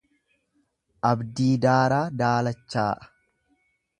Abdii daaraa daalachaa'a.